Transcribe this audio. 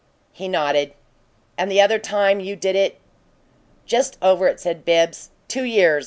He nodded. "And the other time you did it " "Just over it," said Bibbs. "Two years.